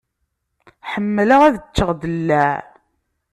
Ḥemmleɣ ad ččeɣ ddellaε.